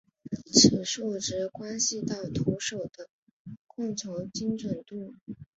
此数值关系到投手的控球精准度。